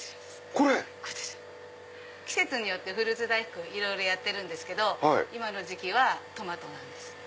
これ⁉季節によってフルーツ大福いろいろやってるんですけど今の時期はトマトなんです。